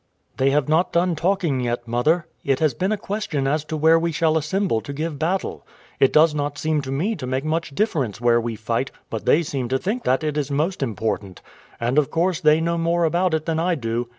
"They have not done talking yet, mother. It has been a question as to where we shall assemble to give battle. It does not seem to me to make much difference where we fight, but they seem to think that it is most important; and of course they know more about it than I do.